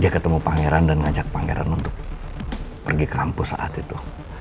dia ketemu pangeran dan ngajak pangeran untuk pergi kampus saat itu